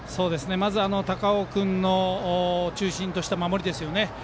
まず高尾君を中心とした守りですよね。